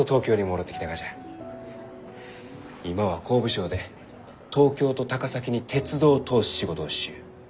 今は工部省で東京と高崎に鉄道を通す仕事をしゆう。